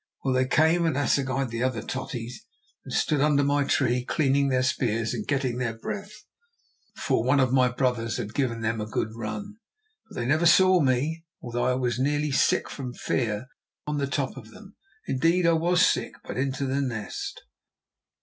Well, they came and assegaied all the other Totties, and stood under my tree cleaning their spears and getting their breath, for one of my brothers had given them a good run. But they never saw me, although I was nearly sick from fear on the top of them. Indeed, I was sick, but into the nest.